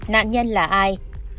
nạn nhân là ai